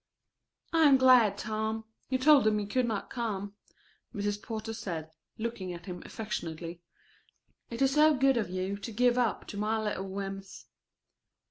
"I am glad, Tom, you told him you could not come," Mrs. Porter said, looking at him affectionately. "It is so good of you to give up to my little whims."